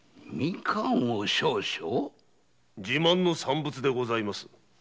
自慢の産物でございます。